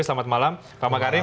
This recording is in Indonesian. selamat malam pak makarim